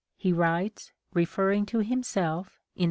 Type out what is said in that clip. " he writes, referring to himself, in 1861.